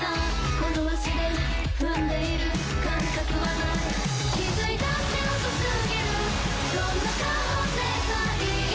この足で踏んでいる感覚はない気づいたって遅すぎるどんな顔すればいい？